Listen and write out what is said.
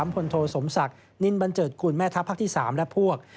พลโทสมศักดิ์นินบันเจิดกุลแม่ทัพภาคที่๓และพวก